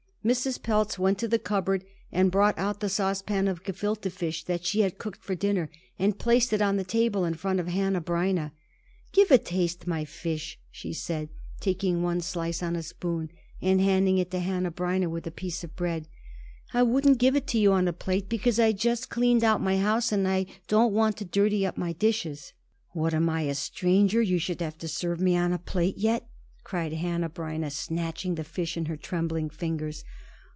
Mrs. Pelz went to the cupboard and brought out the saucepan of gefülte fish that she had cooked for dinner and placed it on the table in front of Hanneh Breineh. "Give a taste my fish," she said, taking one slice on a spoon, and handing it to Hanneh Breineh with a piece of bread. "I wouldn't give it to you on a plate because I just cleaned out my house, and I don't want to dirty up my dishes." "What, am I a stranger you should have to serve me on a plate yet!" cried Hanneh Breineh, snatching the fish in her trembling fingers.